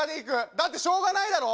だってしょうがないだろ。